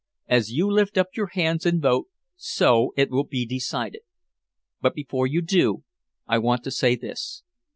As you lift up your hands and vote, so it will be decided. But before you do I want to say this.